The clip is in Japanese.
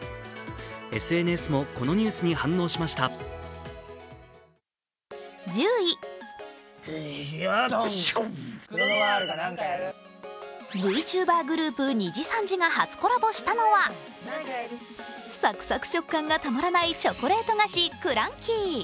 ＳＮＳもこのニュースに反応しましたＶｔｕｂｅｒグループにじさんじが初コラボしたのは、サクサク食感がたまらないチョコレート菓子クランキー。